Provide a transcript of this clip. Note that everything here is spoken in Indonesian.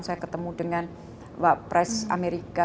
saya ketemu dengan wak pres amerika